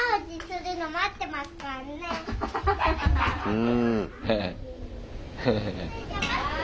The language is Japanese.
うん。